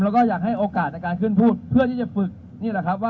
และก็อยากให้โอกาสในการขึ้นพูดเพื่อที่จะฝึก